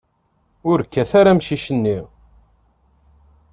Ur kkat ara amcic-nni!